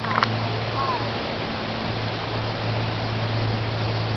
苏联指导的北韩部队很轻易的就击败南韩军队并快速挺进。